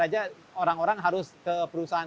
aja orang orang harus ke perusahaan